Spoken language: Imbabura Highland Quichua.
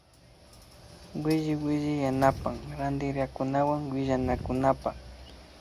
Williwilli yanapan rantiriakkunawan willanakunkapa